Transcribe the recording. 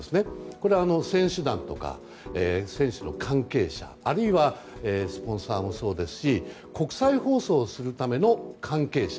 これは選手団とか選手の関係者あるいはスポンサーもそうですし国際放送をするための関係者。